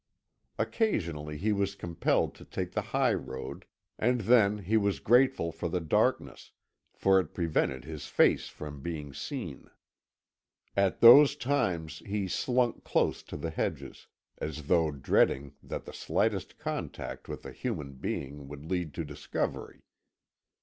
Occasionally he was compelled to take the high road, and then he was grateful for the darkness, for it prevented his face from being seen. At those times he slunk close to the hedges, as though dreading that the slightest contact with a human being would lead to discovery.